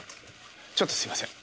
ちょっとすいません。